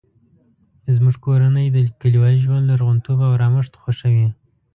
زموږ کورنۍ د کلیوالي ژوند لرغونتوب او ارامښت خوښوي